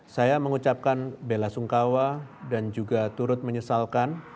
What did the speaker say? saya mengucapkan bela sungkawa dan juga turut menyesalkan